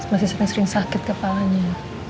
masih sering sakit kepalanya